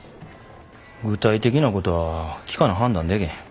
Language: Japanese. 具体的なことは聞かな判断でけへん。